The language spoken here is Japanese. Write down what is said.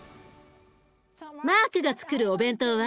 マークがつくるお弁当は？